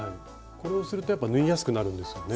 これをするとやっぱ縫いやすくなるんですよね。